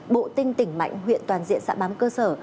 bộ tinh tỉnh mạnh huyện toàn diện xã bám cơ sở